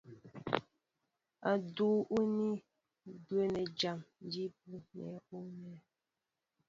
Udʉ́ úmi ní byɛ́ɛ́ní jǎn jí bú nɛ̂ ú mɛ̄ɛ̄.